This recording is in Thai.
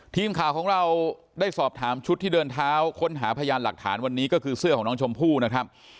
ทีมข่าวของเราได้สอบถามชุดที่เดินเท้าค้นหาพยานหลักฐานวันนี้ก็คือเสื้อของน้องชมพู่นะครับ